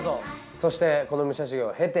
そしてこの夢者修行を経て。